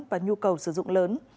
và nhu cầu sử dụng lớn